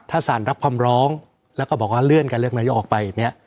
ถ้าสารรับคำร้องแล้วก็บอกว่าเลื่อนการเลือกนายกออกไปเนี่ย